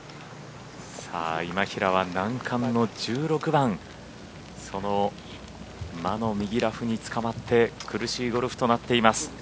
今平は難関の１６番その魔の右ラフにつかまって苦しいゴルフとなっています。